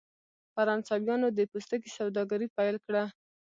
فرانسویانو د پوستکي سوداګري پیل کړه.